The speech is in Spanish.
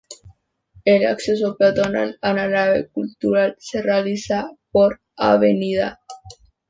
El acceso peatonal a la Nave Cultural se realiza por Av.